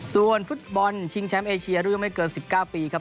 ส่วนฟุตบอลชิงแชมป์เอเชียรุ่นไม่เกิน๑๙ปีครับ